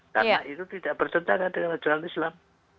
karena itu tidak bertentangan dengan tuntunan islam